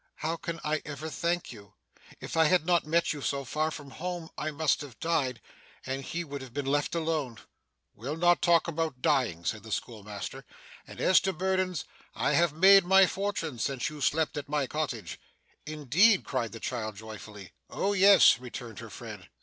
How can I ever thank you? If I had not met you so far from home, I must have died, and he would have been left alone.' 'We'll not talk about dying,' said the schoolmaster; 'and as to burdens, I have made my fortune since you slept at my cottage.' 'Indeed!' cried the child joyfully. 'Oh yes,' returned her friend.